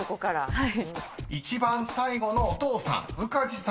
はい。